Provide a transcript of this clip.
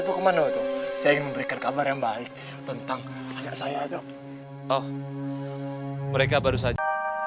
itu kemana itu saya ingin memberikan kabar yang baik tentang anak saya oh mereka baru saja